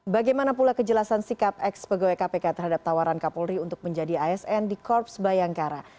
bagaimana pula kejelasan sikap ex pegawai kpk terhadap tawaran kapolri untuk menjadi asn di korps bayangkara